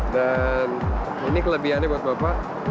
dan ini kelebihannya buat bapak